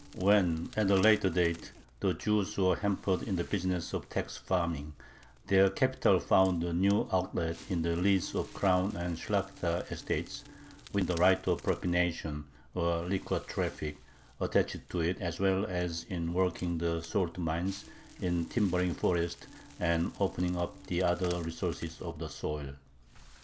When, at a later date, the Jews were hampered in the business of tax farming, their capital found a new outlet in the lease of crown and Shlakhta estates, with the right of "propination," or liquor traffic, attached to it, as well as in working the salt mines, in timbering forests, and opening up the other resources of the soil.